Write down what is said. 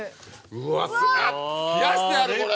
うわ冷やしてあるこれ！